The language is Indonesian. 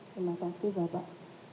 terima kasih bapak